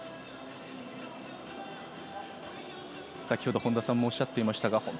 先ほど本田さんもおっしゃっていましたが